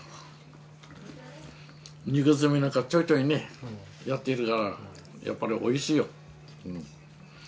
肉詰めなんかちょいちょいねやってるからやっぱり美味しいよ。